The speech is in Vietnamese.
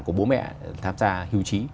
của bố mẹ tham gia hưu trí